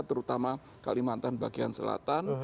terutama kalimantan bagian selatan